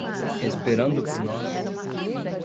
Esperando por nós